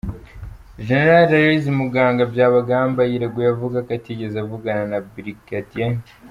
Gen Aloys Muganga, Byabagamba yireguye avuga ko atigeze avugana na Brig.